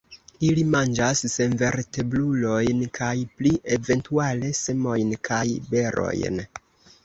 Ili manĝas senvertebrulojn kaj pli eventuale semojn kaj berojn.